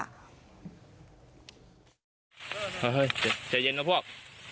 เฮ้ยเฮ้ยเจ๋ยเย็นนะพวก